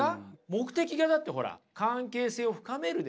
目的がだってほら関係性を深めるですから。